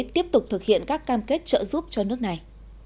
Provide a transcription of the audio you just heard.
tiếp tục thực hiện các cam kết trợ giúp cho nước này